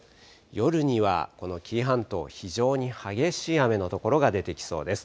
夜にはこの紀伊半島、非常に激しい雨の所が出てきそうです。